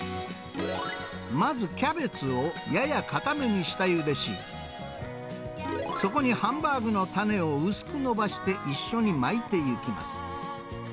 まず、キャベツをやや硬めに下ゆでし、そこにハンバーグの種を薄く伸ばして一緒に巻いていきます。